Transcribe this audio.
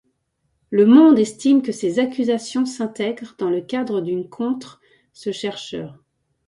Le Monde estime que ces accusations s'intègrent dans le cadre d'une contre ce chercheur.